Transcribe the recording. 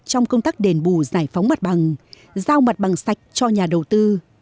trong công tác đền bù giải phóng mặt bằng giao mặt bằng sạch cho nhà đầu tư